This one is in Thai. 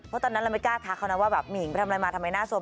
เพราะตอนนั้นเราไม่กล้าทักเขานะว่าแบบมีหญิงไปทำอะไรมาทำไมหน้าสม